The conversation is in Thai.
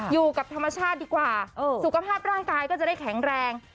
อยู่กับธรรมชาติดีกว่าสุขภาพร่างกายก็จะได้แข็งแรง